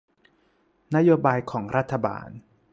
นโยบายของรัฐบาล